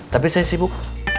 tapi saya sibuk